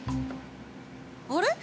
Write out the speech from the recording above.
あれ？